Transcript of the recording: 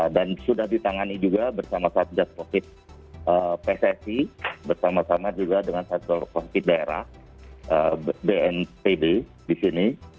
dan sudah ditangani juga bersama sama dengan covid sembilan belas pcc bersama sama juga dengan satu komite daerah bnpb di sini